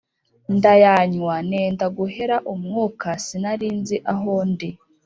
ndayanywa nenda guhera umwuka sinarinzi aho ndi